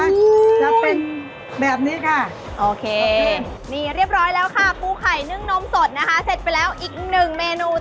จะเป็นแบบนี้ค่ะโอเคนี่เรียบร้อยแล้วค่ะปูไข่นึ่งนมสดนะคะเสร็จไปแล้วอีกหนึ่งเมนู